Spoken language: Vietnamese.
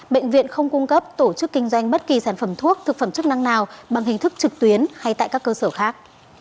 bệnh viện không cung cấp tổ chức kinh doanh bất kỳ sản phẩm thuốc thực phẩm chức năng nào bằng hình thức trực tuyến hay tại các cơ sở khác